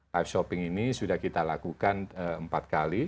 live shopping ini sudah kita lakukan empat kali